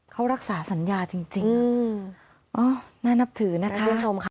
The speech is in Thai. เขารักษาสัญญาจริงน่านับถือนะคะ